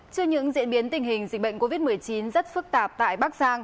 trước những diễn biến tình hình dịch bệnh covid một mươi chín rất phức tạp tại bắc giang